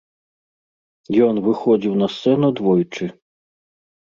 Ён выходзіў на сцэну двойчы.